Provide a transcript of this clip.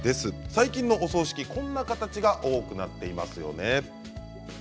最近のお葬式はこんな形が多くなっていますよね。